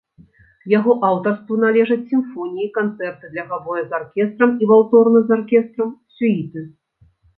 Яго аўтарству належаць сімфоніі, канцэрты для габоя з аркестрам і валторны з аркестрам, сюіты.